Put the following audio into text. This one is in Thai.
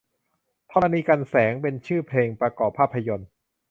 ธรณีกรรแสง เป็นชื่อเพลงประกอบภาพยนต์